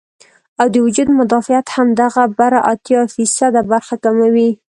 او د وجود مدافعت هم دغه بره اتيا فيصده برخه کموي